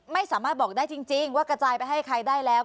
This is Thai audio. ไม่สามารถบอกได้จริงว่ากระจายไปให้ใครได้แล้ว